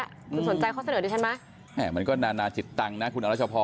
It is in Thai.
คุณสนใจข้อเสนอดีใช่ไหมมันก็นานาจิตตังนะคุณนางราชพรเออ